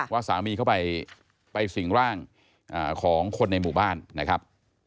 ว่าสามีเขาไปสิ่งร่างของคนในหมู่บ้านนะครับ